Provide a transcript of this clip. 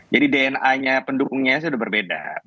jadi dna nya pendukungnya sudah berbeda